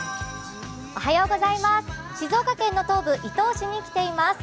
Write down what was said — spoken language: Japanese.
静岡県の東部、伊東市に来ています。